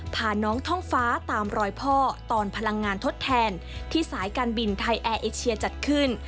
พาน้องท่องฟ้าตามรอยพ่อตอนพลังงานทดแทนที่สายการบินไทยแอร์เอเชียจัดขึ้น